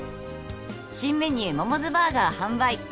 「新メニューモモズバーガー販売！」